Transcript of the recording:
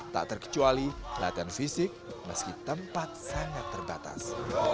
tak terkecuali latihan fisik meski tempat sangat terbatas